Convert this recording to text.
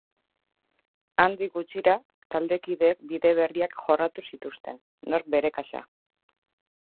Handik gutxira, taldekideek bide berriak jorratu zituzten, nork bere kasa.